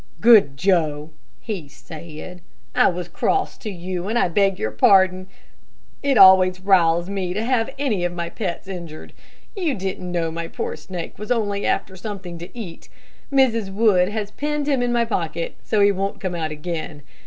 "Good Joe," he said, "I was cross to you, and I beg your pardon It always riles me to have any of my pets injured. You didn't know my poor snake was only after something to eat. Mrs. Wood has pinned him in my pocket so he won't come out again.